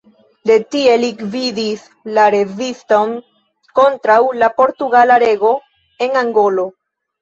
De tie li gvidis la reziston kontraŭ la portugala rego en Angolo.